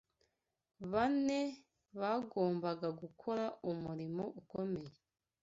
bane bagombaga gukora umurimo ukomeye